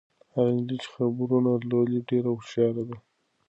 هغه نجلۍ چې خبرونه لولي ډېره هوښیاره ده.